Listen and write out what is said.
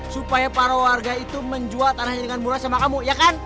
supaya para warga itu menjual tanahnya dengan murah sama kamu ya kan